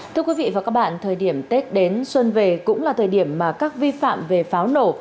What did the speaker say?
thưa quý vị và các bạn thời điểm tết đến xuân về cũng là thời điểm mà các vi phạm về pháo nổ